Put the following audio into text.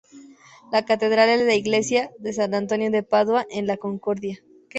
La catedral es la iglesia "San Antonio de Padua" en la ciudad de Concordia.